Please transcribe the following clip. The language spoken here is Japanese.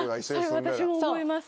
それ私も思います。